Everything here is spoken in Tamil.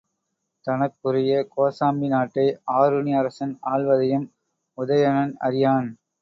தனக்குரிய கோசாம்பி நாட்டை ஆருணி அரசன் ஆள்வதையும் உதயணன் அறியான்.